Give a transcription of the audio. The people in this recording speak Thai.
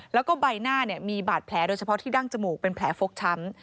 แล้วก็ใบหน้ามีบาดแผลโดยเฉพาะที่ดั้งจมูกเป็นแผลฟกช้ำ